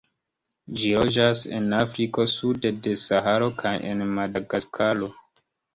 Ĝi loĝas en Afriko sude de Saharo kaj en Madagaskaro.